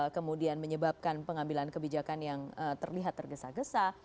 kemudian menyebabkan pengambilan kebijakan yang terlihat tergesa gesa